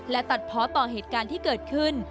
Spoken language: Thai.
และตัดเพาะต่อเหตุการณ์ที่เกิดขึ้น